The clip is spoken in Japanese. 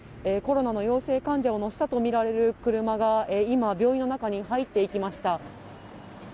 コロナの陽性患者を乗せたとみられる車が今、病院の中に入っていきました。